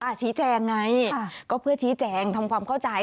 ชี้แจงไงก็เพื่อชี้แจงทำความเข้าใจ